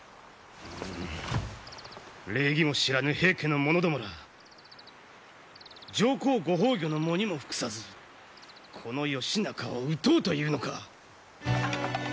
うん礼儀も知らぬ平家の者どもら上皇ご崩御の喪にも服さずこの義仲を討とうというのか！